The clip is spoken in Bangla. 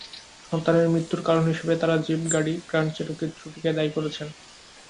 সন্তানের মৃত্যুর কারণ হিসেবে তাঁরা জিপ গাড়ি গ্র্যান্ড চেরোকির ত্রুটিকেই দায়ী করেছেন।